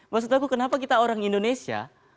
maksud aku kenapa kita orang indonesia